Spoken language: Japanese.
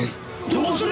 どうする！？